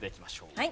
はい。